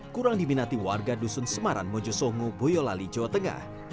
kurang diminati warga dusun semaran mojosongu boyolali jawa tengah